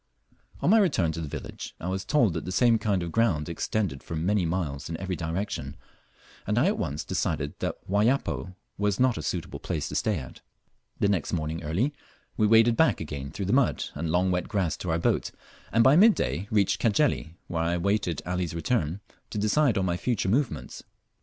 On my return to the village I was told that the same kind of ground extended for many miles in every direction, and I at once decided that Wayapo was not a suitable place to stay at. The next morning early we waded back again through the mud and long wet grass to our boat, and by mid day reached Cajeli, where I waited Ali's return to decide on my future movements.